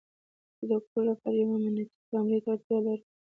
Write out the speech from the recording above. زه د کور لپاره یوې امنیتي کامرې ته اړتیا لرم